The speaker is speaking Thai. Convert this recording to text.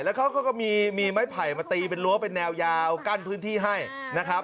แล้วเขาก็มีไม้ไผ่มาตีเป็นรั้วเป็นแนวยาวกั้นพื้นที่ให้นะครับ